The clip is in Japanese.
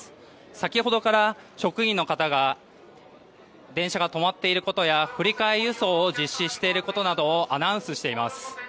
先ほどから職員の方が電車が止まっていることや振り替え輸送を実施していることなどをアナウンスしています。